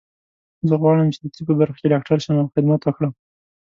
زه غواړم چې د طب په برخه کې ډاکټر شم او خدمت وکړم